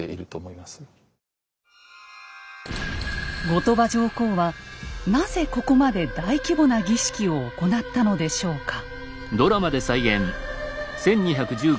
後鳥羽上皇はなぜここまで大規模な儀式を行ったのでしょうか？